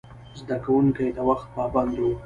زده کوونکي د وخت پابند وو.